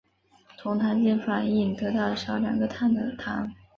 酮糖经反应得到少两个碳的糖。